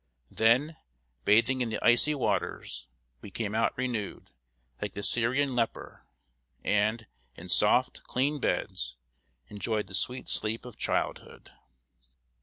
Then, bathing in the icy waters, we came out renewed, like the Syrian leper, and, in soft, clean beds, enjoyed the sweet sleep of childhood.